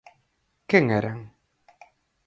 Quen eran?